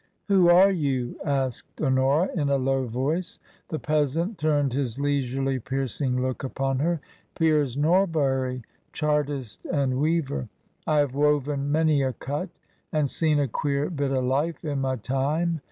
" Who are you ?" asked Honora, in a low voice. The peasant turned his leisurely piercing look upon her. 44 TRANSITION. " Piers Norbury, Chartist and weaver. I have woven many a cut, and seen a queer bit o' life i' my time.